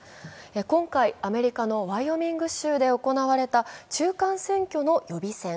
今回、アメリカのワイオミング州で行われた中間選挙の予備選。